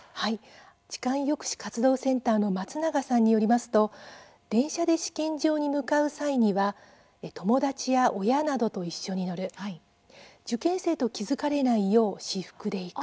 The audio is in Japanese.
痴漢抑止活動センターの松永さんによりますと電車で試験場に向かう際には友達や親などと一緒に乗る受験生と気付かれないよう私服で行く。